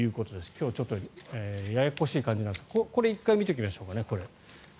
今日はちょっとややこしい感じですがこれ、１回見ておきましょうかね。